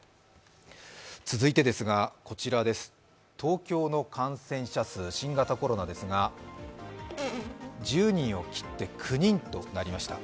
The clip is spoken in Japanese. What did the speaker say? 続いては東京の感染者数、新型コロナですが１０人を切って、９人となりました